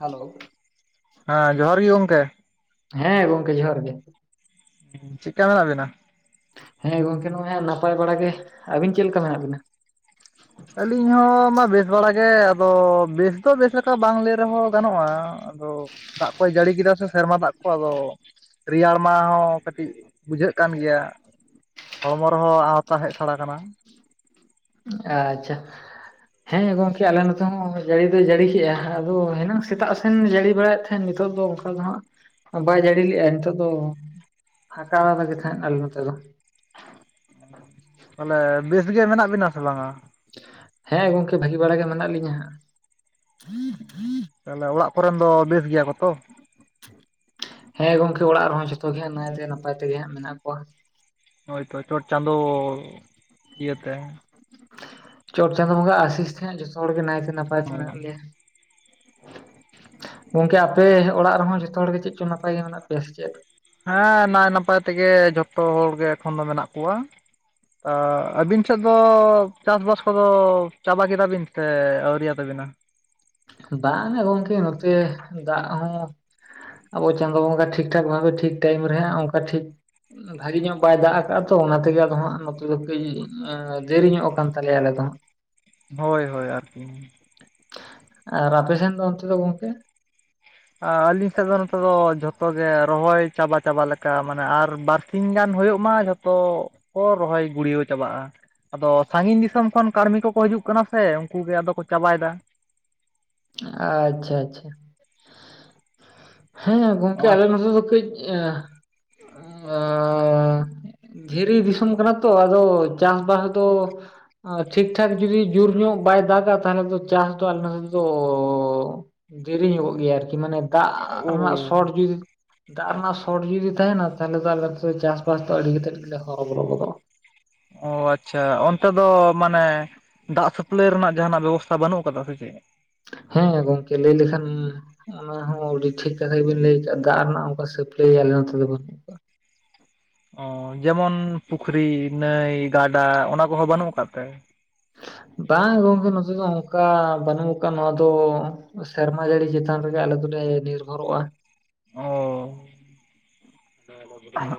Hello. ᱦᱮᱸ ᱡᱚᱦᱟᱨ ᱜᱮ ᱜᱚᱝᱠᱮ᱾ ᱦᱮᱸ ᱜᱚᱢᱠᱮ ᱡᱚᱦᱟᱨ ᱜᱮ᱾ ᱪᱮᱫᱠᱟ ᱢᱮᱱᱟᱜ ᱵᱤᱱᱟ? ᱦᱮᱸ ᱜᱚᱝᱠᱮ ᱱᱚᱜᱼᱚᱭ ᱦᱟᱹᱜ ᱱᱟᱯᱟᱭ ᱵᱟᱲᱟ ᱜᱮ᱾ ᱟᱹᱵᱤᱱ ᱪᱮᱫ ᱞᱮᱠᱟ ᱢᱮᱱᱟᱜ ᱵᱤᱱᱟ? ᱟᱹᱞᱤᱧ ᱦᱚᱸᱢᱟ ᱵᱮᱥ ᱵᱟᱲᱟᱜ ᱜᱮ ᱟᱫᱚ ᱵᱮᱥ ᱫᱚ ᱵᱮᱥ ᱞᱮᱠᱟ ᱵᱟᱝ ᱞᱟᱹᱭ ᱨᱮᱦᱚᱸ ᱜᱟᱱᱚᱜᱼᱟ᱾ ᱟᱫᱚ ᱫᱟᱜ ᱠᱚᱭ ᱡᱟᱹᱲᱤ ᱠᱮᱫᱟ ᱥᱮ ᱥᱮᱨᱢᱟ ᱫᱟᱜ ᱠᱚ ᱟᱫᱚ ᱨᱮᱭᱟᱲ ᱢᱟ ᱦᱚᱸ ᱠᱟᱹᱴᱤᱡ ᱵᱩᱡᱷᱟᱹᱜ ᱠᱟᱱ ᱜᱮᱭᱟ ᱦᱚᱲᱢᱚ ᱨᱮᱦᱚᱸ ᱟᱣᱛᱟ ᱦᱮᱡ ᱥᱟᱲ ᱟᱠᱟᱱᱟ ᱟᱪᱪᱷᱟ ᱦᱮᱸ ᱜᱚᱝᱠᱮ ᱟᱞᱮ ᱱᱚᱛᱮ ᱦᱚᱸ ᱡᱟᱹᱲᱤ ᱫᱚᱭ ᱡᱟᱹᱲᱤ ᱠᱮᱜᱼᱟ ᱟᱫᱚ ᱦᱮᱱᱟᱝ ᱥᱮᱛᱟᱜ ᱥᱮᱱ ᱡᱟᱹᱲᱤ ᱵᱟᱲᱟᱭᱮᱫ ᱦᱮᱸ ᱱᱤᱛᱚᱜ ᱫᱚ ᱚᱱᱠᱟ ᱫᱚ ᱦᱟᱸᱜ ᱵᱟᱭ ᱡᱟᱹᱲᱤ ᱞᱮᱼᱟᱭ ᱱᱤᱛᱚᱜ ᱫᱚ ᱯᱷᱟᱠᱟᱼᱟ ᱟᱞᱮ ᱜᱮ ᱛᱷᱮᱱ ᱟᱞᱮ ᱱᱚᱛᱮ ᱫᱚ᱾ ᱛᱟᱦᱚᱞᱮ ᱵᱮᱥ ᱜᱮ ᱢᱮᱱᱟᱜ ᱵᱤᱱᱟ ᱥᱮ ᱵᱟᱝᱟ ᱦᱮᱸ ᱜᱚᱢᱠᱮ ᱵᱷᱟᱹᱜᱤ ᱵᱟᱲᱟ ᱜᱮ ᱢᱮᱱᱟᱜ ᱞᱤᱧᱟᱹ ᱦᱟᱸᱜ ᱛᱟᱦᱞᱮ ᱚᱲᱟᱜ ᱠᱚᱨᱮᱱ ᱫᱚ ᱵᱮᱥ ᱜᱮᱭᱟ ᱠᱚ ᱛᱚ ᱦᱮᱸ ᱜᱚᱝᱠᱮ ᱚᱲᱟᱜ ᱨᱮᱦᱚᱸ ᱡᱚᱛᱚ ᱜᱮ ᱱᱟᱭ ᱛᱮᱜᱮ ᱱᱟᱯᱟᱭ ᱛᱮᱜᱮ ᱦᱟᱸᱜ ᱢᱮᱱᱟᱜ ᱠᱚᱣᱟ ᱦᱳᱭᱛᱚ ᱪᱚᱴ ᱪᱟᱸᱫᱳ ᱤᱭᱟᱹᱛᱮ ᱪᱚᱴ ᱪᱟᱸᱫᱳ ᱵᱚᱸᱜᱟᱣᱟᱜ ᱟᱥᱤᱥ ᱛᱮᱦᱟᱸᱜ ᱡᱚᱛᱚ ᱦᱚᱲᱜᱮ ᱱᱟᱭᱛᱮ ᱱᱟᱯᱟᱭ ᱚ ᱛᱮ ᱢᱮᱱᱟᱜ ᱞᱮᱭᱟ ᱜᱚᱝᱠᱮ ᱟᱯᱮ ᱚᱲᱟᱜ ᱨᱮᱦᱚᱸ ᱡᱚᱛᱚ ᱦᱚᱲᱜᱮ ᱪᱮᱫ ᱪᱚᱝ ᱱᱟᱯᱟᱭ ᱜᱮ ᱢᱮᱱᱟᱜ ᱯᱮᱭᱟ ᱥᱮ ᱪᱮᱫ ᱦᱮᱸ ᱱᱟᱭ ᱱᱟᱯᱟᱭ ᱛᱮᱜᱮ ᱡᱷᱚᱛᱚ ᱦᱚᱲ ᱜᱮ ᱮᱠᱷᱚᱱ ᱫᱚ ᱢᱮᱱᱟᱜ ᱠᱚᱣᱟ ᱟᱹᱵᱤᱱ ᱥᱮᱫ ᱫᱚ ᱪᱟᱥᱵᱟᱥ ᱠᱚᱫᱚ ᱪᱟᱵᱟ ᱠᱮᱫᱟ ᱵᱤᱱ ᱥᱮ ᱟᱹᱣᱨᱤᱭᱟᱛᱟᱵᱤᱱᱟ ᱫᱟᱜ ᱜᱮ ᱜᱚᱝᱠᱮ ᱱᱚᱛᱮ ᱫᱟᱜ ᱦᱚᱸ ᱟᱵᱚ ᱪᱟᱸᱫᱳ ᱵᱚᱸᱜᱟ ᱴᱷᱤᱠ ᱴᱷᱟᱠ ᱵᱷᱟᱵᱮ ᱴᱷᱤᱠ ᱴᱟᱭᱤᱢ ᱨᱮ ᱦᱟᱸᱜ ᱚᱱᱠᱟ ᱴᱷᱤᱠ ᱵᱷᱟᱜᱮ ᱧᱚᱜ ᱵᱟᱭ ᱫᱟᱜ ᱟᱠᱟᱜᱼᱟ ᱛᱚ ᱚᱱᱟᱛᱮᱜᱮ ᱟᱫᱚ ᱦᱟᱸᱜ ᱱᱚᱛᱮ ᱫᱚ ᱠᱟᱹᱡ ᱫᱮᱨᱤ ᱧᱚᱜ ᱟᱠᱟᱱ ᱛᱟᱞᱮᱭᱟ ᱟᱞᱮ ᱫᱚ ᱦᱟᱸᱜ ᱦᱳᱭ ᱦᱳᱭ ᱟᱨᱠᱤ ᱟᱨ ᱟᱯᱮᱥᱮᱱ ᱫᱚ ᱚᱱᱛᱮ ᱫᱚ ᱜᱚᱢᱠᱮ ᱟᱹᱞᱤᱧ ᱥᱮᱫ ᱫᱚ ᱱᱚᱛᱮ ᱫᱚ ᱡᱷᱚᱛᱚ ᱜᱮ ᱨᱚᱦᱚᱭ ᱪᱟᱵᱟ ᱪᱟᱵᱟ ᱞᱮᱠᱟ ᱢᱟᱱᱮ ᱟᱨ ᱵᱟᱨᱥᱤᱧ ᱜᱟᱱ ᱦᱩᱭᱩᱜ ᱢᱟ ᱡᱚ- ᱛᱚ ᱠᱚ ᱨᱚᱦᱚᱭ ᱜᱩᱲᱤᱭᱟᱹᱣ ᱪᱟᱵᱟᱜᱼᱟ ᱟᱫᱚ ᱥᱟᱺᱜᱤᱧ ᱫᱤᱥᱚᱢ ᱠᱷᱚᱱ ᱠᱟᱹᱲᱢᱤ ᱠᱚᱠᱚ ᱦᱤᱡᱩᱜ ᱠᱟᱱᱟ ᱥᱮ ᱩᱱᱠᱩ ᱜᱮ ᱟᱫᱚ ᱠᱚ ᱪᱟᱵᱟᱭᱮᱫᱟ ᱟᱪᱪᱷᱟ ᱟᱪᱪᱷᱟ ᱦᱮᱸ ᱚ ᱜᱚᱝᱠᱮ ᱟᱞᱮ ᱱᱚᱛᱮ ᱫᱚ ᱠᱟᱹᱡ ᱫᱷᱤᱨᱤ ᱫᱤᱥᱚᱢ ᱠᱟᱱᱟ ᱛᱚ ᱟᱫᱚ ᱪᱟᱥᱵᱟᱥ ᱫᱚ ᱟᱨ ᱴᱷᱤᱠ ᱴᱷᱟᱠ ᱡᱩᱫᱤ ᱡᱳᱨ ᱧᱚᱜ ᱵᱟᱭ ᱫᱟᱜᱟ ᱛᱟᱦᱚᱞᱮ ᱫᱚ ᱪᱟᱥ ᱫᱚ ᱟᱞᱮ ᱱᱚᱛᱮ ᱫᱚ ᱫᱚ ᱫᱮᱨᱤ ᱧᱚᱜᱚᱜ ᱜᱮᱭᱟ ᱟᱨᱠᱤ ᱢᱟᱱᱮ ᱫᱟᱜ ᱨᱮᱱᱟᱜ ᱥᱚᱴ ᱡᱩᱫᱤ ᱫᱟᱜ ᱨᱮᱱᱟᱜ ᱥᱚᱴ ᱡᱩᱫᱤ ᱛᱟᱦᱮᱱᱟ ᱛᱟᱦᱚᱞᱮ ᱫᱚ ᱟᱞᱮ ᱫᱚ ᱪᱟᱥᱵᱟᱥ ᱫᱚ ᱟᱹᱰᱤ ᱠᱟᱛᱮᱫ ᱜᱮᱞᱮ ᱦᱚᱨᱚᱵᱚᱨᱚ ᱜᱚᱫᱚᱜᱼᱟ ᱚ ᱟᱪᱪᱷᱟ ᱚᱱᱛᱮ ᱫᱚ ᱢᱟᱱᱮ ᱫᱟᱜ ᱥᱟᱯᱞᱟᱭ ᱨᱮᱱᱟᱜ ᱡᱟᱦᱟᱱᱟᱜ ᱵᱮᱵᱚᱥᱛᱷᱟ ᱵᱟᱹᱱᱩᱜ ᱟᱠᱟᱫᱟ ᱥᱮ ᱪᱮᱫ ᱦᱮᱸ ᱜᱚᱝᱠᱮ ᱞᱟᱹᱭ ᱞᱮᱠᱷᱟᱱ ᱚᱱᱟ ᱦᱚᱸ ᱟᱹᱰᱤ ᱴᱷᱤᱠ ᱠᱟᱛᱷᱟ ᱜᱮᱵᱤᱱ ᱞᱟᱹᱭ ᱟᱠᱟᱫᱼᱟ ᱫᱟᱜ ᱨᱮᱱᱟᱜ ᱚᱱᱠᱟ ᱥᱟᱯᱞᱟᱭ ᱟᱞᱮ ᱱᱚᱛᱮ ᱫᱚ ᱵᱟᱹᱱᱩᱜ ᱠᱟᱜᱼᱟ ᱚ ᱡᱮᱢᱚᱱ ᱯᱩᱠᱷᱨᱤ ᱱᱟᱹᱭ ᱜᱟᱰᱟ ᱚᱱᱟ ᱠᱚᱦᱚᱸ ᱵᱟᱹᱱᱩᱜ ᱟᱠᱟᱫ ᱛᱮ ᱵᱟᱝ ᱜᱚᱝᱠᱮ ᱱᱚᱛᱮ ᱫᱚ ᱚᱱᱠᱟ ᱵᱟᱹᱱᱩᱜ ᱠᱟᱜᱼᱟ ᱱᱚᱣᱟ ᱫᱚ ᱥᱮᱨᱢᱟ ᱡᱟᱹᱲᱤ ᱪᱮᱛᱟᱱ ᱨᱮᱜᱮ ᱟᱞᱮ ᱫᱚᱞᱮ ᱱᱤᱨᱵᱷᱚᱨᱚᱜᱼᱟ ᱚ [inaudible]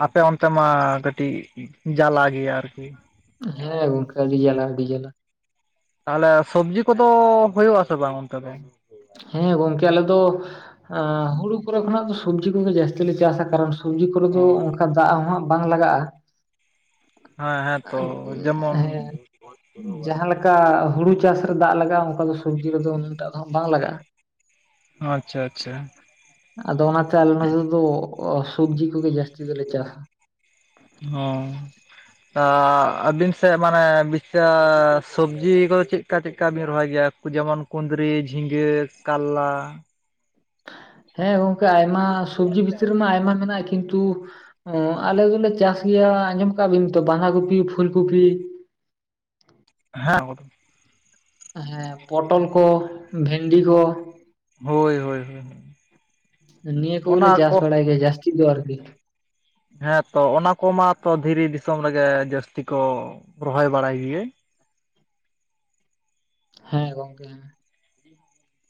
ᱟᱯᱮ ᱚᱱᱛᱮ ᱢᱟ ᱠᱟᱹᱴᱤᱡ ᱡᱟᱞᱟ ᱜᱮᱭᱟ ᱟᱨᱠᱤ ᱦᱮᱸ ᱜᱚᱢᱠᱮ ᱟᱹᱰᱤ ᱡᱟᱞᱟ ᱟᱹᱰᱤ ᱡᱟᱞᱟ ᱛᱟᱦᱚᱞᱮ ᱥᱚᱵᱡᱤ ᱠᱚᱫᱚ ᱦᱩᱭᱩᱜ ᱟᱥᱮ ᱵᱟᱝ ᱚᱱᱛᱮ ᱫᱚ ᱦᱮᱸ ᱜᱚᱝᱠᱮ ᱟᱞᱮ ᱫᱚ ᱮᱸ ᱦᱩᱲᱩ ᱠᱚᱨᱮ ᱠᱷᱚᱱᱟᱜ ᱫᱚ ᱥᱚᱵᱽᱡᱤ ᱠᱚᱜᱮ ᱡᱚᱛᱚ ᱠᱷᱚᱱ ᱫᱚ ᱥᱚᱵᱽᱡᱤ ᱠᱷᱚᱱ ᱜᱮ ᱡᱟᱹᱥᱛᱤ ᱞᱮ ᱪᱟᱥᱟ ᱠᱟᱨᱚᱱ ᱥᱚᱵᱽᱡᱤ ᱠᱚᱨᱮ ᱚ ᱫᱚ ᱚᱱᱠᱟ ᱫᱟᱜ ᱦᱚᱸᱜ ᱵᱟᱝ ᱞᱟᱜᱟᱜᱼᱟ। ᱦᱮᱸ ᱦᱮᱸ ᱛᱚ ᱡᱮᱢᱚᱱ ᱦᱮᱸ ᱡᱟᱦᱟᱸᱞᱮᱠᱟ ᱦᱩᱲᱩ। ᱪᱟᱥ ᱨᱮ ᱫᱟᱜ ᱞᱟᱜᱟ ᱟ ᱚᱱᱠᱟ ᱫᱚ ᱥᱚᱵᱽᱡᱤ ᱨᱮᱫᱚ ᱩᱱᱟᱹᱜᱴᱟᱜ ᱫᱚ ᱵᱟᱝ ᱞᱟᱜᱟᱜᱼᱟ। ᱟᱪᱪᱷᱟ ᱟᱪᱪᱷᱟ। ᱟᱫᱚ ᱚᱱᱟᱛᱮ ᱟᱞᱮ ᱱᱚᱛᱮ ᱫᱚ ᱥᱚᱵᱽᱡᱤ ᱠᱚᱜᱮ ᱡᱟᱹᱥᱛᱤ ᱫᱚᱞᱮ ᱪᱟᱥᱟ। [unintelligible] ᱟᱹᱵᱤᱱ ᱥᱮᱫ ᱢᱟᱱᱮ [inaudible] ᱥᱚᱵᱽᱡᱤ ᱠᱚᱫᱚ ᱪᱮᱫᱠᱟ ᱪᱮᱫᱠᱟ ᱵᱤᱱ ᱨᱚᱦᱚᱭ ᱜᱮᱭᱟ। ᱡᱮᱢᱚᱱ ᱠᱩᱸᱫᱽᱨᱤ ᱡᱷᱤᱸᱜᱟᱹ ᱠᱟᱨᱞᱟ। ᱦᱮᱸ ᱜᱚᱢᱠᱮ ᱟᱭᱢᱟ ᱥᱚᱵᱽᱡᱤ ᱵᱷᱤᱛᱨᱤ ᱨᱮᱢᱟ ᱟᱭᱢᱟ ᱢᱮᱱᱟᱜᱼᱟ ᱠᱤᱱᱛᱩ। ᱚ ᱟᱞᱮ ᱫᱚᱞᱮ ᱪᱟᱥ ᱜᱮᱭᱟ ᱟᱸᱡᱚᱢ ᱠᱟᱜᱼᱟ ᱵᱤᱱ ᱛᱚ ᱵᱟᱸᱫᱷᱟ ᱠᱚᱯᱤ ᱯᱷᱩᱞ ᱠᱚᱯᱤ ᱦᱮᱸ ᱦᱮᱸ ᱯᱚᱴᱚᱞ ᱠᱚ ᱵᱷᱮᱱᱰᱤ ᱠᱚ। ᱦᱳᱭ ᱦᱳᱭ ᱦᱳᱭ ᱱᱤᱣᱟ. ᱠᱚ ᱜᱮᱞᱮ ᱪᱟᱥ ᱵᱟᱲᱟᱭ ᱜᱮᱭᱟ ᱡᱟᱹᱥᱛᱤ ᱫᱚ ᱟᱨᱠᱤ। ᱦᱮᱸᱛᱚ ᱚᱱᱟ ᱠᱚᱢᱟᱛᱚ ᱫᱷᱤᱨᱤ ᱫᱤᱥᱟᱹᱢ ᱨᱮᱜᱮ ᱡᱟᱹᱥᱛᱤ ᱠᱚ ᱨᱚᱦᱚᱭ ᱵᱟᱲᱟᱭ ᱜᱤᱭᱟᱹᱧ। ᱦᱮᱸ ᱜᱚᱝᱠᱮ ᱦᱮᱸ।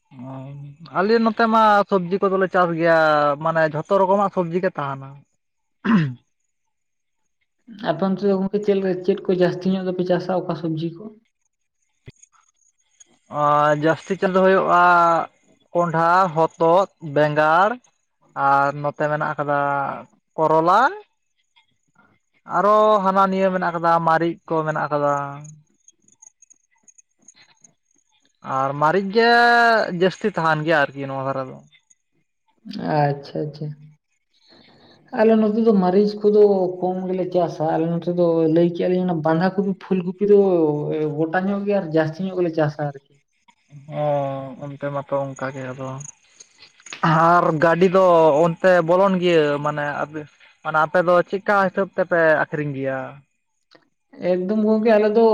[unintelligible] ᱟᱞᱮ ᱱᱚᱛᱮ ᱢᱟ ᱥᱚᱵᱽᱡᱤ ᱠᱚᱫᱚᱞᱮ ᱪᱟᱥ ᱜᱮᱭᱟ ᱢᱟᱱᱮ ᱡᱷᱚᱛᱚ ᱨᱚᱠᱚᱢᱟᱜ ᱥᱚᱵᱡᱤ ᱜᱮ ᱛᱟᱦᱮᱱᱟ। [inaudible] ᱟᱯᱮ ᱚᱱᱛᱮ ᱫᱚ ᱜᱚᱝᱠᱮ ᱪᱮᱫ ᱪᱮᱫ ᱠᱚ ᱡᱟᱹᱥᱛᱤ ᱧᱚᱜ ᱫᱚᱯᱮ ᱪᱟᱥᱟ ᱚᱠᱟ ᱥᱚᱵᱽᱡᱤ ᱠᱚ। ᱟᱨ ᱡᱟᱹᱥᱛᱤ ᱪᱟᱥ ᱫᱚ ᱦᱩᱭᱩᱜ-ᱟ। ᱠᱚᱸᱰᱷᱟ ᱦᱚᱛᱚᱫ ᱵᱮᱸᱜᱟᱲ ᱟᱨ ᱱᱚᱛᱮ ᱢᱮᱱᱟᱜ ᱟᱠᱟᱫᱟ ᱠᱚᱨᱚᱞᱟ। ᱟᱨᱚ ᱦᱟᱱᱟ ᱱᱤᱭᱟᱹ ᱢᱮᱱᱟᱜ ᱟᱠᱟᱫᱟ ᱢᱟᱨᱤᱡ ᱠᱚ ᱢᱮᱱᱟᱜ ᱟᱠᱟᱫᱟ। ᱟᱨ ᱢᱤᱪ ᱜᱮ ᱡᱟᱹᱥᱛᱤ ᱛᱟᱦᱮᱱ ᱜᱮᱭᱟ ᱟᱨᱠᱤ ᱱᱚᱣᱟ ᱫᱷᱟᱨᱟ ᱫᱚ। ᱟᱪᱪᱷᱟ ᱟᱪᱪᱷᱟ। ᱟᱞᱮ ᱱᱚᱛᱮ ᱫᱚ ᱢᱟᱹᱨᱤᱪ ᱠᱚᱫᱚ ᱠᱚᱢ ᱜᱮᱞᱮ ᱪᱟᱥᱟ ᱟᱞᱮ ᱱᱚᱛᱮ ᱫᱚ ᱞᱟᱹᱭ ᱠᱮᱫ ᱞᱮᱧ ᱵᱟᱸᱫᱷᱟ ᱠᱚᱫᱚ। ᱯᱷᱩᱞ ᱜᱩᱯᱤ ᱫᱚ ᱜᱚᱴᱟ ᱧᱚᱜ ᱜᱮ ᱟᱨ ᱡᱟᱹᱥᱛᱤ ᱧᱚᱜ ᱜᱮᱞᱮ ᱪᱟᱥᱟ ᱟᱨᱠᱤ। ᱦᱸ ᱚᱱᱛᱮ ᱢᱟᱛᱚ ᱚᱱᱠᱟ ᱜᱮ ᱟᱫᱚ। ᱟᱨ ᱜᱟᱹᱰᱤ ᱫᱚ ᱚᱱᱛᱮ ᱵᱚᱞᱚᱱ ᱜᱮᱤᱭᱟᱹ ᱢᱟᱱᱮ- ᱢᱟᱱᱮ ᱟᱯᱮ ᱫᱚ ᱪᱮᱫᱠᱟ ᱦᱤᱥᱟᱹᱵ ᱛᱮᱯᱮ ᱟᱠᱷᱨᱤᱧ ᱜᱮᱭᱟ। ᱮᱠᱫᱚᱢ ᱜᱚᱝᱠᱮ ᱟᱞᱮ ᱫᱚ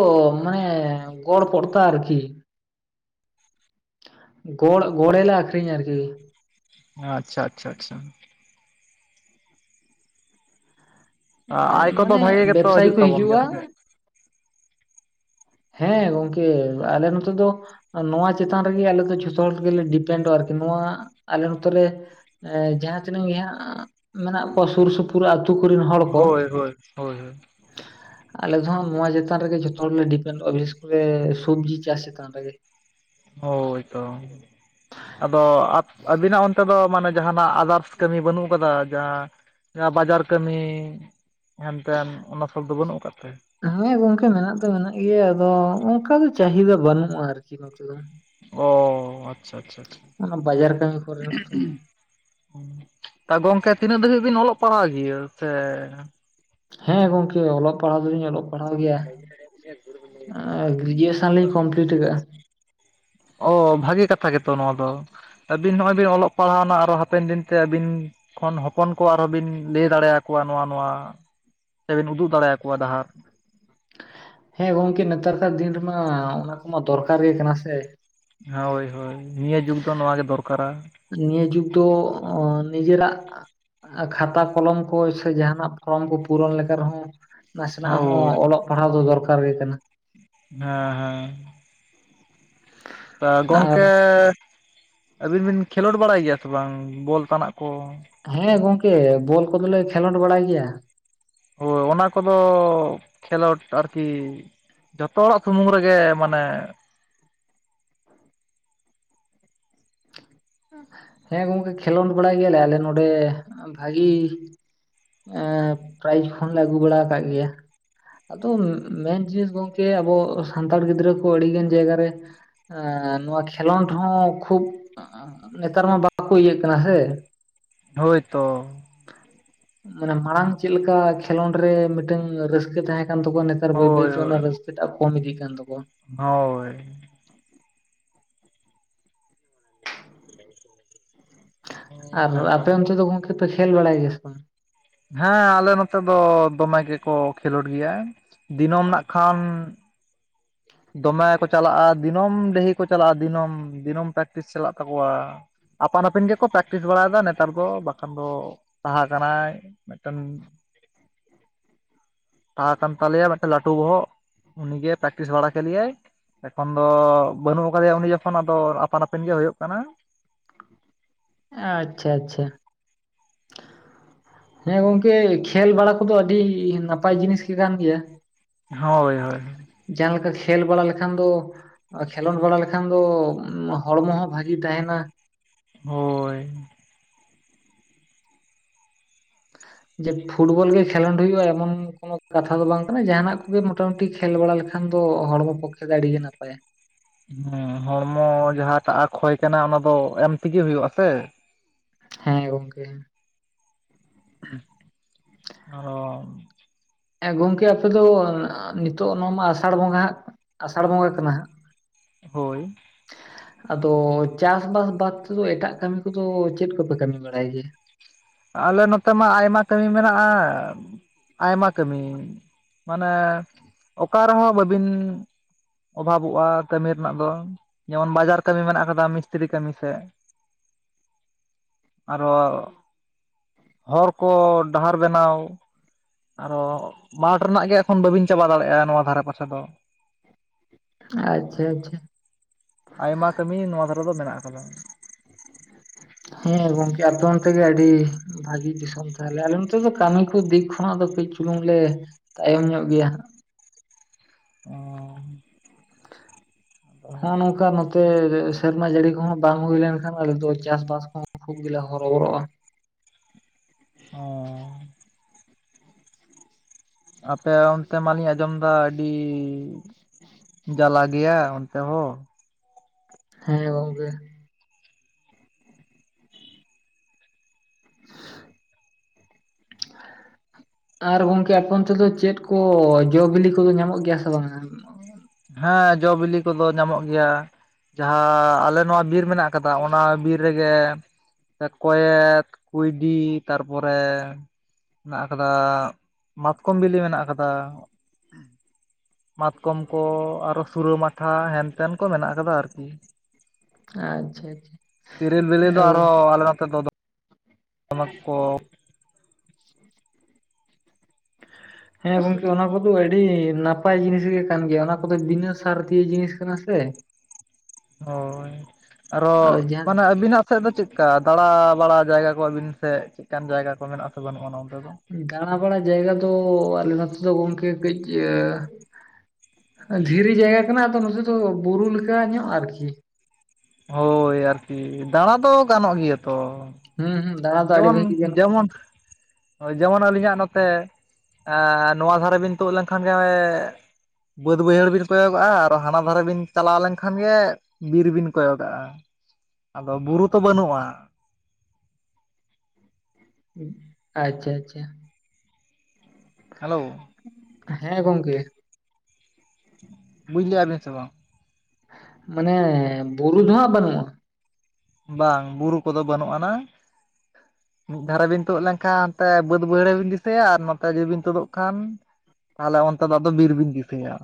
ᱢᱟᱱᱮ ᱜᱚᱲ ᱯᱚᱲᱛᱟ ᱟᱨᱠᱤ। ᱜᱚᱲ ᱜᱚᱲ ᱞᱮ ᱟᱠᱷᱨᱤᱧᱟ ᱟᱨᱠᱤ। ᱟᱪᱪᱷᱟ ᱟᱪᱪᱷᱟ ᱟᱪᱪᱷᱟ। ᱟᱭ ᱠᱚᱫᱚ ᱢᱟᱱᱮ ᱵᱷᱟᱜᱮ ᱜᱮᱛᱚ ᱵᱮᱵᱽᱥᱟᱭᱤ ᱦᱤᱡᱩᱜ ᱠᱚ ᱛᱟᱵᱚᱱ ᱜᱮᱭᱟ ᱦᱤᱡᱩᱜᱼᱟ ᱥᱮ ᱪᱮᱫ। ᱦᱮᱸ ᱜᱚᱝᱠᱮ ᱟᱞᱮ ᱱᱚᱛᱮ ᱫᱚ। ᱱᱚᱣᱟ ᱪᱮᱛᱟᱱ ᱨᱮᱜᱮ ᱟᱞᱮ ᱫᱚ ᱡᱷᱚᱛᱚ ᱦᱚᱲ ᱜᱮᱞᱮ ᱰᱤᱯᱮᱱᱰᱼᱟ ᱟᱨᱠᱤ ᱱᱚᱣᱟ ᱟᱞᱮ ᱱᱚᱛᱮ ᱨᱮ। ᱮᱸᱡᱟᱦᱟᱸ ᱛᱤᱱᱟᱹᱜ ᱜᱮ ᱦᱟᱸᱜ ᱢᱮᱱᱟᱜ ᱠᱚᱣᱟ ᱥᱩᱨ ᱥᱩᱯᱩᱨ। [unintelligible] ᱟᱹᱛᱩ ᱠᱚᱨᱮᱱ ᱦᱚᱲ ᱠᱚ। ᱦᱳᱭ ᱦᱳᱭ ᱦᱳᱭ ᱦᱳᱭ ᱟᱞᱮ ᱫᱚ ᱦᱟᱸᱜ ᱱᱚᱣᱟ ᱪᱮᱛᱟᱱ ᱨᱮᱜᱮ ᱡᱚᱛᱚ ᱦᱚᱲᱞᱮ ᱰᱤ ᱪᱟᱫᱩ ᱟᱜ [unintelligible] ᱥᱚᱵᱽᱡᱤ ᱪᱟᱥ ᱪᱮᱛᱟᱱ ᱨᱮᱜᱮ ᱦᱳᱭ ᱛᱚ। ᱟᱫᱚ ᱟᱹᱵᱤᱱᱟᱜ ᱚᱱᱛᱮ ᱫᱚ ᱢᱟᱱᱮ ᱡᱟᱦᱟᱸᱱᱟᱜ ᱟᱫᱟᱨᱥ ᱠᱟᱹᱢᱤ ᱵᱟᱹᱱᱩᱜ ᱟᱠᱟᱫᱟ ᱡᱟᱦᱟᱸ। ‌ ᱡᱟ ᱵᱟᱡᱟᱨ ᱠᱟᱹᱢᱤᱤ ᱦᱮᱱᱛᱮᱱ ᱚᱱᱟ ᱥᱚᱵ ᱫᱚ ᱵᱟᱹᱱᱩᱜ ᱟᱠᱟᱫ ᱛᱮ ᱦᱮᱸ ᱜᱚᱝᱠᱮ ᱢᱮᱱᱟᱜ ᱛᱚ ᱢᱮᱱᱟᱜ ᱜᱮᱭᱟ ᱟᱫᱚ ᱚᱱᱠᱟ ᱫᱚ ᱪᱟᱹᱦᱤᱫᱟ ᱵᱟᱹᱱᱩᱜᱼᱟ ᱟᱨᱠᱤ ᱱᱚᱛᱮ ᱫᱚ। ᱚ ᱟᱪᱪᱷᱟ ᱟᱪᱪᱷᱟ ᱟᱪᱪᱷᱟ ᱚᱱᱟ ᱵᱟᱡᱟᱨ ᱠᱟᱹᱢᱤ ᱠᱚᱨᱮ ᱛ ᱜᱚᱝᱠᱮ ᱛᱤᱱᱟᱹᱜ ᱫᱟᱹᱵᱤᱡ ᱵᱤᱱ ᱚᱞᱚᱜ ᱯᱟᱲᱦᱟᱜ ᱜᱮᱭᱟᱹ ᱥᱮ ᱦᱮᱸ ᱜᱚᱝᱠᱮ ᱚᱞᱚᱜ ᱯᱟᱲᱦᱟᱣ ᱫᱚᱞᱤᱧ ᱚᱞᱚᱜ। ᱯᱟᱲᱦᱟᱣ ᱜᱮᱭᱟ ᱜᱨᱮᱡᱩᱭᱮᱥᱚᱱ ᱞᱤᱧ ᱠᱚᱢᱯᱞᱤᱴ ᱟᱠᱟᱜᱼᱟ ᱾ ᱚ ᱵᱷᱟᱜᱮ ᱠᱟᱛᱷᱟ ᱜᱮᱛᱚ ᱱᱚᱣᱟ ᱫᱚ ᱾ ᱟᱹᱵᱤᱱ ᱱᱚᱜᱼᱚᱭ ᱵᱤᱱ ᱚᱞᱚᱜ ᱯᱟᱲᱦᱟᱣᱱᱟ ᱟᱨᱚ ᱦᱟᱯᱮᱱ ᱫᱤᱱ ᱛᱮ ᱟᱹᱵᱤᱱᱼᱼ ᱠᱷᱚᱱ ᱦᱚᱯᱚᱱ ᱠᱚ ᱟᱨᱦᱚᱸ ᱵᱤᱱ ᱞᱟᱹᱭ ᱫᱟᱲᱮ ᱟᱠᱚᱣᱟ ᱱᱚᱣᱟ ᱱᱚᱣᱟᱼᱼ ᱥᱮ ᱵᱤᱱ ᱩᱫᱩᱜ ᱫᱟᱲᱮ ᱟᱠᱚᱣᱟ ᱰᱟᱦᱟᱨ ᱾ ᱦᱮᱸ ᱜᱚᱝᱠᱮ ᱱᱮᱛᱟᱨ ᱠᱟᱨ ᱫᱤᱱ ᱨᱮᱢᱟ ᱚᱱᱟ ᱠᱚᱢᱟ ᱫᱚᱨᱠᱟᱨ ᱜᱮ ᱠᱟᱱᱟ ᱥᱮ ᱾ ᱦᱳᱭ ᱦᱳᱭ ᱱᱤᱭᱟᱹ ᱡᱩᱜᱽ ᱫᱚ ᱱᱚᱣᱟ ᱜᱮ ᱫᱚᱨᱠᱟᱨᱟ ᱾ ᱱᱤᱭᱟᱹ ᱡᱩᱜᱽ ᱫᱚ ᱱᱤᱡᱮᱨᱟᱜᱼᱼ ᱠᱷᱟᱛᱟ ᱠᱚᱞᱚᱢ ᱠᱚ ᱥᱮ ᱡᱟᱦᱟᱱᱟᱜ ᱯᱷᱚᱨᱢ ᱠᱚ ᱯᱩᱨᱚᱱ ᱞᱮᱠᱟ ᱨᱮᱦᱚᱸᱼᱼ ᱱᱟᱥᱮᱱᱟᱜ ᱦᱚᱸ ᱦᱳᱭ ᱚᱞᱚᱜ ᱯᱟᱲᱦᱟᱣ ᱫᱚ ᱫᱚᱨᱠᱟᱨ ᱜᱮ ᱠᱟᱱᱟ ᱾ ᱦᱮᱸ ᱦᱮᱸ ᱾ ᱛ ᱟᱨ ᱜᱚᱝᱠᱮ ᱟᱹᱵᱤᱱ ᱵᱤᱱ ᱠᱷᱮᱞᱳᱰ ᱵᱟᱲᱟᱭ ᱜᱮᱭᱟ ᱥᱮ ᱵᱟᱝ ᱵᱚᱞ ᱛᱟᱱᱟᱜ ᱠᱚ। ᱦᱮᱸ ᱜᱚᱝᱠᱮ ᱵᱚᱞ ᱠᱚᱫᱚᱞᱮ ᱠᱷᱮᱞᱳᱰ ᱵᱟᱲᱟᱭ ᱜᱮᱭᱟ। ᱦᱳᱭ ᱚᱱᱟ ᱠᱚᱫᱚ ᱠᱷᱮᱞᱳᱰ ᱟᱨᱠᱤ। ᱡᱚᱛᱚ ᱦᱚᱲᱟᱜ ᱥᱩᱢᱩᱝ ᱨᱮᱜᱮ ᱢᱟᱱᱮᱼᱼ ᱦᱮᱸ ᱜᱚᱝᱠᱮ ᱠᱷᱮᱞᱚᱸᱰ ᱵᱟᱲᱟᱭ ᱜᱮᱭᱟᱞᱮ ᱟᱞᱮ ᱱᱚᱰᱮ ᱵᱷᱟᱜᱤᱼᱼ ᱮ ᱯᱨᱟᱭᱤᱡᱽ ᱠᱷᱚᱱᱞᱮ ᱟᱹᱜᱩ ᱵᱟᱲᱟ ᱟᱠᱟᱫ ᱜᱮᱭᱟ ᱾ ᱟᱫᱚ ᱢᱮᱱ ᱡᱤᱱᱤᱥ ᱜᱚᱝᱠᱮ ᱟᱵᱚ ᱥᱟᱱᱛᱟᱲ ᱜᱤᱫᱽᱨᱟᱹ ᱠᱚ ᱟᱹᱰᱤ ᱜᱟᱱ ᱡᱟᱭᱜᱟ ᱨᱮᱼᱼ ᱱᱚᱣᱟ ᱠᱷᱮᱞᱳᱰ ᱦᱚᱸ ᱠᱷᱩᱵᱼᱼ ᱱᱮᱛᱟᱨ ᱢᱟ ᱵᱟᱠᱚ ᱤᱭᱟᱹᱜ ᱠᱟᱱᱟ ᱥᱮ ᱾ ᱦᱳᱭ ᱛᱚ ᱾ ᱢᱟᱱᱮ ᱢᱟᱲᱟᱝ ᱪᱮᱫ ᱞᱮᱠᱟ ᱠᱷᱮᱞᱚᱸᱰ ᱨᱮ ᱢᱤᱫᱴᱟᱝ ᱨᱟᱹᱥᱠᱟᱹ ᱛᱟᱦᱮᱸ ᱠᱟᱱ ᱛᱟᱠᱚᱣᱟ ᱟᱨ ᱵᱟᱹᱭ ᱦᱳᱭ ᱵᱟᱹᱭᱛᱮ ᱦᱳᱭ ᱚᱱᱟ ᱨᱟᱹᱥᱠᱟᱹ ᱴᱟᱜ ᱠᱚᱢ ᱤᱫᱤᱜ ᱠᱟᱱ ᱛᱟᱠᱚᱣᱟ᱾ ᱦᱳᱭ ᱾ ᱟᱨ ᱱᱮᱛᱚ ᱟᱯᱮ ᱚᱱᱛᱮ ᱫᱚ ᱜᱚᱝᱠᱮ ᱯᱮ ᱠᱷᱮᱞ ᱵᱟᱲᱟᱭ ᱜᱮᱭᱟ ᱥᱮ ᱵᱟᱝ? ᱦᱮᱸ ᱟᱞᱮ ᱱᱚᱛᱮ ᱫᱚ ᱫᱚᱢᱮ ᱜᱮᱠᱚ ᱠᱷᱮᱞᱳᱰ ᱜᱮᱭᱟ ᱫᱤᱱᱟᱹᱢ ᱱᱟᱜ ᱠᱷᱟᱱ ᱼᱼ ᱫᱚᱢᱮ ᱠᱚ ᱪᱟᱞᱟᱜᱼᱟ ᱫᱤᱱᱚᱢ ᱰᱟᱹᱦᱤ ᱠᱚ ᱪᱟᱞᱟᱜᱼᱟ ᱫᱤᱱᱚᱢ ᱫᱤᱱᱟᱹᱢ ᱯᱨᱮᱠᱴᱤᱥ ᱪᱟᱞᱟᱜ ᱛᱟᱠᱚᱣᱟ ᱾ ᱟᱯᱟᱱ ᱟᱹᱯᱤᱱ ᱜᱮᱠᱚ ᱯᱨᱮᱠᱴᱤᱥ ᱵᱟᱲᱟᱭᱮᱫᱟ ᱱᱮᱛᱟᱨ ᱫᱚ ᱵᱟᱠᱷᱟᱱ ᱫᱚ ᱛᱟᱦᱮᱸ ᱠᱟᱱᱟᱭᱼᱼ ᱢᱮᱫᱴᱮᱱᱼᱼ [inaudible] ᱛᱟᱦᱮᱸ ᱠᱟᱱ ᱛᱟᱞᱮᱭᱟ ᱢᱤᱫᱴᱮᱱ ᱞᱟᱹᱴᱩ ᱵᱚᱦᱚᱜ ᱩᱱᱤᱜᱮ ᱯᱮᱠᱴᱤᱥ ᱵᱟᱲᱟᱼᱼ ᱠᱮᱞᱮᱭᱟᱭ ᱮᱠᱷᱚᱱ ᱫᱚ ᱵᱟᱹᱱᱩᱜ ᱟᱠᱟᱫᱮᱭᱟ ᱩᱱᱤ ᱡᱚᱠᱷᱚᱱ ᱟᱫᱚ ᱟᱯᱟᱱ ᱟᱹᱯᱤᱱ ᱜᱮ ᱦᱳᱭᱳᱜ ᱠᱟᱱᱟ ᱾ ᱟᱪᱪᱷᱟ ᱟᱪᱪᱷᱟ ᱾ ᱦᱮᱸ ᱜᱚᱝᱠᱮ ᱠᱷᱮᱞ ᱵᱟᱲᱟ ᱠᱚᱫᱚ ᱟᱹᱰᱤ ᱱᱟᱯᱟᱭ ᱡᱤᱱᱤᱥ ᱜᱮ ᱠᱟᱱ ᱜᱮᱭᱟ ᱾ ᱦᱳᱭ ᱦᱳᱭ ᱾ ᱡᱟᱦᱟᱸ ᱞᱮᱠᱟ ᱠᱷᱮᱞ ᱵᱟᱲᱟ ᱞᱮᱠᱷᱟᱱ ᱫᱚᱼᱼ ᱠᱷᱮᱞᱚᱸᱰ ᱵᱟᱲᱟ ᱞᱮᱠᱷᱟᱱ ᱫᱚ ᱦᱚᱲᱢᱚ ᱦᱚᱸ ᱵᱷᱟᱜᱤ ᱛᱟᱦᱮᱱᱟ᱾ ᱦᱳᱭ ᱾ [inaudible] ᱡᱮ ᱯᱷᱩᱴᱵᱚᱞ ᱜᱮ ᱠᱷᱮᱞᱚᱸᱰ ᱦᱩᱭᱩᱜᱼᱟ ᱮᱢᱚᱱ ᱠᱳᱱᱳ ᱠᱟᱛᱷᱟ ᱫᱚ ᱵᱟᱝ ᱠᱟᱱᱟ ᱡᱟᱦᱟᱱᱟᱜ ᱠᱚᱜᱮ ᱢᱚᱴᱟᱢᱩᱴᱤ ᱠᱷᱮᱞ ᱵᱟᱲᱟ ᱞᱮᱠᱷᱟᱱᱼᱼ ᱠᱷᱟᱱ ᱫᱚ ᱦᱚᱲᱢᱚ ᱯᱚᱠᱠᱷᱮ ᱫᱚ ᱟᱹᱰᱤ ᱜᱮ ᱱᱟᱯᱟᱭᱟ ᱾ ᱦᱮᱸ ᱦᱚᱲᱢᱚ ᱡᱟᱦᱟᱸᱴᱟᱜ ᱠᱷᱚᱭ ᱠᱟᱱᱟ ᱚᱱᱟ ᱫᱚ ᱮᱢ ᱛᱮᱜᱮ ᱦᱩᱭᱩᱜ ᱟ ᱥᱮ ᱾ ᱦᱮᱸ ᱜᱚᱝᱠᱮ ᱾ ᱟᱨ ᱦᱚᱸᱼᱼ ᱮᱸ ᱜᱚᱝᱠᱮ ᱟᱯᱮ ᱫᱚ ᱱᱤᱛᱚᱜ ᱱᱚᱣᱟ ᱢᱟ ᱟᱥᱟᱲ ᱵᱚᱸᱜᱟ ᱦᱟᱸᱜᱼᱼ ᱟᱥᱟᱲ ᱵᱚᱸᱜᱟ ᱠᱟᱱᱟ ᱦᱟᱸᱜ ᱾ ᱦᱳᱭ ᱾ ᱟᱫᱚ ᱪᱟᱥᱵᱟᱥ ᱵᱟᱫ ᱛᱮᱫᱚ ᱮᱴᱟᱜ ᱠᱟᱹᱢᱤ ᱠᱚᱫᱚ ᱪᱮᱫ ᱠᱚᱯᱮ ᱠᱟᱹᱢᱤ ᱵᱟᱲᱟᱭ ᱜᱮᱭᱟ? ᱟᱞᱮ ᱱᱚᱛᱮ ᱢᱟ ᱟᱭᱢᱟ ᱠᱟᱹᱢᱤ ᱢᱮᱱᱟᱜᱼᱟ ᱟᱭᱢᱟ ᱠᱟᱹᱢᱤ ᱾ ᱢᱟᱱᱮ ᱚᱠᱟ ᱨᱮᱦᱚᱸ ᱵᱟᱹᱵᱤᱱ ᱚᱵᱷᱟᱵᱚᱜᱼᱟ ᱠᱟᱹᱢᱤ ᱨᱮᱱᱟᱜ ᱫᱚ ᱡᱮᱢᱚᱱ ᱵᱟᱡᱟᱨ ᱠᱟᱹᱢᱤ ᱢᱮᱱᱟᱜ ᱟᱠᱟᱫᱟ ᱢᱤᱥᱛᱨᱤ ᱠᱟᱹᱢᱤ ᱥᱮᱫ ᱾ ᱟᱨᱚ ᱦᱚᱨ ᱠᱚ ᱰᱟᱦᱟᱨ ᱵᱮᱱᱟᱣ ᱟᱨᱚ ᱢᱟᱴᱷ ᱨᱮᱱᱟᱜ ᱜᱮ ᱮᱠᱷᱚᱱ ᱵᱟᱹᱵᱤᱱ ᱪᱟᱵᱟ ᱫᱟᱲᱮᱭᱟᱜᱼᱟ ᱱᱚᱣᱟ ᱫᱷᱟᱨᱮ ᱯᱟᱥᱮ ᱫᱚ ᱾ ᱟᱪᱪᱷᱟ ᱟᱪᱪᱷᱟ ᱟᱭᱢᱟ ᱠᱟᱹᱢᱤ ᱱᱚᱣᱟ ᱫᱷᱟᱨᱮ ᱫᱚ ᱢᱮᱱᱟᱜ ᱠᱟᱫᱟ ᱾ ᱦᱮᱸ ᱜᱚᱝᱠᱮ ᱟᱯᱮ ᱚᱱᱛᱮ ᱜᱮ ᱟᱹᱰᱤ ᱵᱷᱟᱹᱜᱤ ᱫᱤᱥᱚᱢ ᱛᱟᱦᱚᱞᱮ ᱟᱞᱮ ᱱᱚᱛᱮ ᱫᱚ ᱠᱟᱹᱢᱤ ᱠᱚ ᱫᱤᱠ ᱠᱷᱚᱱᱟᱜ ᱫᱚ ᱠᱟᱹᱡ ᱪᱩᱞᱩᱝ ᱞᱮ ᱛᱟᱭᱚᱢ ᱧᱚᱜ ᱜᱮᱭᱟ [inaudible] ᱦᱟᱸ ᱱᱚᱛ ᱚᱱᱠᱟ ᱱᱚᱛᱮ ᱥᱮᱨᱢᱟ ᱡᱟᱹᱲᱤ ᱠᱚᱦᱚᱸ ᱵᱟᱝ ᱦᱩᱭ ᱞᱮᱱᱠᱷᱟᱱ ᱟᱞᱮ ᱫᱚ ᱪᱟᱥᱵᱟᱥ ᱠᱚᱦᱚᱸ ᱠᱷᱩᱵ ᱜᱮᱞᱮ ᱦᱚᱨᱚᱵᱚᱨᱚᱜᱼᱟ ᱾ ᱦᱚᱸ ᱾ ᱟᱯᱮ ᱚᱱᱛᱮ ᱢᱟᱞᱤᱧ ᱟᱸᱡᱚᱢ ᱮᱫᱟ ᱟᱹᱰᱤᱼᱼ ᱡᱟᱞᱟ ᱜᱮᱭᱟ ᱚᱱᱛᱮ ᱦᱚᱸ ᱾ ᱦᱮᱸ ᱜᱚᱝᱠᱮ [inaudible] ᱟᱨ ᱜᱚᱝᱠᱮ ᱟᱯᱮ ᱚᱱᱛᱮ ᱫᱚ ᱪᱮᱫ ᱠᱚ ᱡᱚ ᱵᱤᱞᱤ ᱠᱚᱫᱚ ᱧᱟᱢᱚᱜ ᱜᱮᱭᱟ ᱥᱮ ᱵᱟᱝ? ᱦᱮᱸ ᱡᱚ ᱵᱤᱞᱤ ᱠᱚᱫᱚ ᱧᱟᱢᱚᱜ ᱜᱮᱭᱟ᱾ ᱡᱟᱦᱟᱸ ᱟᱞᱮ ᱱᱚᱣᱟ ᱵᱤᱨ ᱢᱮᱱᱟᱜ ᱠᱟᱫᱟ ᱚᱱᱟ ᱵᱤᱨ ᱨᱮᱜᱮ ᱠᱚᱭᱮᱛ ᱠᱩᱭᱰᱤ ᱛᱟᱨᱯᱚᱨᱮ ᱦᱮᱱᱟᱜ ᱟᱠᱟᱫᱟ ᱢᱟᱛᱠᱚᱢ ᱵᱤᱞᱤ ᱢᱮᱱᱟᱜ ᱟᱠᱟᱫᱟ᱾ ᱢᱟᱛᱠᱚᱢ ᱠᱚ ᱟᱨᱚ ᱥᱩᱨᱟᱹ ᱢᱟᱴᱷᱟ ᱦᱮᱱ ᱛᱮᱱ ᱠᱚ ᱢᱮᱱᱟᱜ ᱠᱟᱫᱟ ᱟᱨᱠᱤ᱾ ᱟᱪᱪᱷᱟ ᱟᱪᱪᱷᱟ ᱛᱤᱨᱤᱞ ᱵᱤᱞᱤ ᱫᱚ ᱮ ᱜᱚᱝ ᱟᱨᱦᱚᱸ ᱟᱞᱮ ᱱᱚᱛᱮ ᱫᱚ [inaudible] ᱠᱚ [inaudible] ᱦᱮᱸ ᱜᱚᱝᱠᱮ ᱚᱱᱟ ᱠᱚ ᱫᱚ ᱟᱹᱰᱤ ᱱᱟᱯᱟᱭ ᱡᱤᱱᱤᱥ ᱜᱮ ᱠᱟᱱ ᱜᱮᱭᱟ ᱚᱱᱟ ᱠᱚᱫᱚ ᱵᱤᱱᱟᱹ ᱥᱟᱨ ᱫᱤᱭᱮ ᱡᱤᱱᱤᱥ ᱠᱟᱱᱟ ᱥᱮ ᱦᱚᱭ ᱟᱨᱚ ᱟᱫᱚ ᱡᱟᱦᱟᱸ ᱢᱟᱱᱮ ᱟᱵᱤᱱᱟᱜ ᱥᱮᱫ ᱫᱚ ᱪᱮᱫᱠᱟ ᱫᱟᱲᱟ ᱵᱟᱲᱟ ᱡᱟᱭᱜᱟ ᱠᱚ ᱟᱹᱵᱤᱱ ᱥᱮᱫ ᱪᱮᱫᱠᱟᱱ ᱡᱟᱭᱜᱟ ᱠᱚ ᱢᱮᱱᱟᱜᱼᱟ ᱥᱮ ᱵᱟᱹᱱᱩᱜᱼᱟ ᱚᱱᱛᱮ ᱫᱚ? ᱫᱟᱬᱟ ᱵᱟᱲᱟ ᱡᱟᱭᱜᱟ ᱫᱚ ᱟᱞᱮ ᱱᱚᱛᱮ ᱫᱚ ᱜᱚᱝᱠᱮ ᱠᱟᱹᱡ ᱟᱹ ᱫᱷᱤᱨᱤ ᱡᱟᱭᱜᱟ ᱠᱟᱱᱟ ᱟᱫᱚ ᱱᱚᱛᱮ ᱫᱚ ᱵᱩᱨᱩ ᱞᱮᱠᱟ ᱧᱚᱜ ᱟᱨᱠᱤ᱾ ᱦᱳᱭ ᱟᱨᱠᱤ ᱫᱟᱬᱟ ᱫᱚ ᱜᱟᱱᱚᱜ ᱜᱮᱭᱟ ᱛᱚ᱾ ᱦᱩᱸ ᱦᱩᱸ ᱫᱟᱬᱟ ᱫᱚ ᱟᱹᱰᱤ ᱡᱮᱢᱚᱱ ᱵᱷᱟᱹᱜᱤ ᱜᱟᱱᱚᱜ ᱡᱮᱢᱚᱱ ᱡᱮᱢᱚᱱ ᱟᱹᱞᱤᱧᱟᱜ ᱱᱚᱛᱮ ᱮᱸ ᱱᱚᱣᱟ ᱫᱷᱟᱨᱮ ᱵᱤᱱ ᱛᱩᱫ ᱞᱮᱱᱠᱷᱟᱱ ᱮᱹ ᱵᱟᱹᱫ ᱵᱟᱹᱭᱦᱟᱹᱲ ᱵᱤᱱ ᱠᱚᱭᱚᱜᱚᱜᱼᱟ ᱟᱨ ᱦᱟᱱᱟ ᱫᱷᱟᱨᱮ ᱵᱤᱱ ᱪᱟᱞᱟᱣ ᱞᱮᱱᱠᱷᱟᱱ ᱜᱮ ᱵᱤᱨ ᱵᱤᱱ ᱠᱚᱭᱚᱜᱟᱜᱼᱟ ᱟᱫᱚ ᱵᱩᱨᱩ ᱛᱚ ᱵᱟᱹᱱᱩᱜᱼᱟ᱾ ᱟᱪᱪᱷᱟ ᱟᱪᱪᱷᱟ ᱦᱮᱞᱳᱣ᱾ ᱦᱮᱸ ᱜᱚᱝᱠᱮ᱾ ᱵᱩᱡ ᱞᱮᱜᱼᱟᱵᱤᱱ ᱥᱮ ᱵᱟᱝ? ᱢᱟᱱᱮ ᱵᱩᱨᱩ ᱫᱚ ᱦᱟᱸᱜ ᱵᱟᱹᱱᱩᱜ ᱵᱟᱝ ᱵᱩᱨᱩ ᱠᱚᱫᱚ ᱵᱟᱹᱱᱩᱜ ᱟᱱᱟ᱾ ᱢᱤᱫ ᱫᱷᱟᱨᱮ ᱵᱤᱱ ᱛᱳᱫ ᱞᱮᱱᱠᱷᱟᱱ ᱦᱟᱱᱛᱮ ᱵᱟᱹᱫᱽ ᱵᱟᱹᱭᱦᱟᱹᱲ ᱨᱮ ᱵᱤᱱ ᱫᱤᱥᱟᱹᱭᱟ ᱟᱨ ᱱᱚᱛᱮ ᱡᱩᱫᱤ ᱵᱤᱱ ᱛᱳᱫᱚᱜ ᱠᱷᱟᱱ ᱛᱟᱦᱚᱞᱮ ᱚᱱᱛᱮ ᱫᱚ ᱟᱫᱚ ᱵᱤᱨ ᱵᱤᱱ ᱫᱤᱥᱟᱹᱭᱟ᱾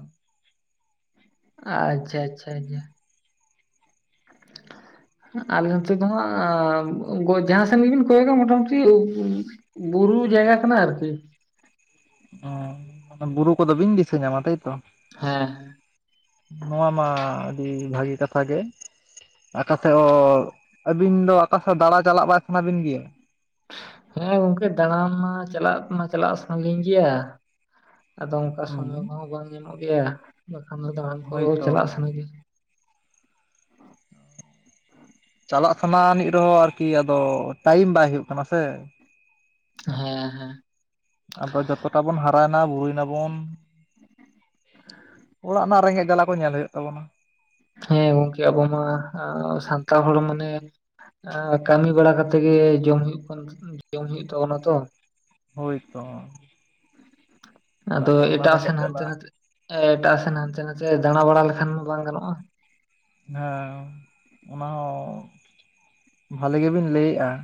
ᱟᱪᱪᱷᱟ ᱟᱪᱪᱷᱟ ᱟᱪᱷᱟ ᱟᱞᱮ ᱱᱚᱛᱮ ᱫᱚ ᱦᱟᱸᱜ ᱜᱚ ᱡᱟᱦᱟᱸ ᱥᱮᱱ ᱵᱤᱱ ᱠᱚᱭᱚᱜᱟ ᱢᱚᱴᱟᱢᱩᱴᱤ ᱵᱩᱨᱩ ᱡᱟᱭᱜᱟ ᱠᱟᱱᱟ ᱟᱨᱠᱤ᱾ ᱚᱸ ᱵᱩᱨᱩ ᱠᱚᱫᱚ ᱵᱟᱹᱧ ᱫᱤᱥᱟᱹ ᱧᱟᱢᱟ ᱛᱟᱭ ᱛᱚ᱾ ᱦᱮᱸ ᱱᱚᱣᱟ ᱢᱟ ᱟᱹᱰᱤ ᱵᱷᱟᱹᱜᱤ ᱠᱟᱛᱷᱟ ᱜᱮ᱾ ᱟᱠᱟ ᱥᱮᱫ ᱚ ᱟᱹᱵᱤᱱ ᱫᱚ ᱚᱠᱟᱥᱮᱫ ᱫᱟᱬᱟ ᱪᱟᱞᱟᱜ ᱵᱟᱭ ᱥᱟᱱᱟ ᱵᱤᱱ ᱜᱮᱭᱟ? ᱦᱮᱸ ᱜᱚᱝᱠᱮ ᱫᱟᱬᱟᱱ ᱢᱟ ᱪᱟᱞᱟᱜ ᱢᱟ ᱪᱟᱞᱟᱜ ᱥᱟᱱᱟ ᱞᱤᱧ ᱜᱮᱭᱟ ᱾ ᱟᱫᱚ ᱚᱝᱠᱟ ᱥᱚᱢᱚᱭ ᱦᱩᱸ ᱠᱚᱦᱚᱸ ᱵᱟᱝ ᱧᱟᱢᱚᱜ ᱜᱮᱭᱟ ᱾ ᱵᱟᱠᱷᱟᱱ ᱫᱚ ᱫᱟᱬᱟᱱ ᱠᱚ ᱦᱳᱭᱛᱚ ᱪᱟᱞᱟᱜ ᱥᱟᱱᱟ ᱜᱮᱭᱟ᱾ ᱪᱟᱞᱟᱜ ᱥᱟᱱᱟ ᱟᱹᱱᱤᱡ ᱨᱮᱦᱚᱸ ᱟᱨᱠᱤ ᱟᱫᱚ ᱴᱟᱭᱤᱢ ᱵᱟᱭ ᱦᱩᱭᱩᱜ ᱠᱟᱱᱟ ᱥᱮ᱾ ᱦᱮ ᱦᱮᱸ ᱦᱮᱸ ᱟᱫᱚ ᱡᱚᱛᱚᱴᱟ ᱵᱩᱱ ᱦᱟᱨᱟᱭᱮᱱᱟ ᱵᱩᱨᱩᱭ ᱱᱟᱵᱩᱱ ᱚᱲᱟᱜ ᱨᱮᱱᱟᱜ ᱨᱮᱸᱜᱮᱡ ᱡᱟᱞᱟ ᱠᱚ ᱧᱮᱞ ᱦᱳᱭᱳᱜ ᱛᱟᱵᱚᱱᱟ᱾ ᱦᱮᱸ ᱜᱚᱝᱠᱮ ᱟᱵᱚ ᱢᱟ ᱥᱟᱱᱛᱟᱲ ᱦᱚᱲ ᱢᱟᱱᱮ ᱟ ᱠᱟᱹᱢᱤ ᱵᱟᱲᱟ ᱠᱟᱛᱮ ᱜᱮ ᱡᱚᱢ ᱦᱩᱭᱩᱜ ᱠᱟᱱ ᱡᱚᱢ ᱦᱩᱭᱩᱜ ᱛᱟᱵᱚᱱᱟ ᱛᱚ᱾ ᱦᱳᱭ ᱛᱚ᱾ ᱟᱫᱚ ᱮᱴᱟᱜ ᱨᱮᱸᱜᱮᱡ ᱥᱮᱱ ᱡᱟᱞᱟ ᱦᱟᱱᱛᱮ ᱱᱟᱛᱮ ᱮᱴᱟᱜ ᱥᱮᱱ ᱦᱟᱱᱛᱮ ᱱᱟᱛᱮ ᱫᱟᱬᱟ ᱵᱟᱲᱟ ᱞᱮᱠᱷᱟᱱ ᱢᱟ ᱵᱟᱝ ᱜᱟᱱᱚᱜᱼᱟ᱾ ᱦᱮᱸ ᱚᱱᱟ ᱦᱚᱸ ᱵᱷᱟᱞᱮ ᱜᱮᱵᱤᱱ ᱞᱟᱹᱭᱮᱜᱼᱟ ᱾